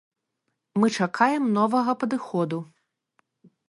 Мы чакаем новага падыходу.